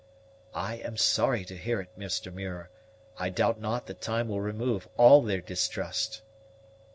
"I am sorry to hear it, Mr. Muir; I doubt not that time will remove all their distrust."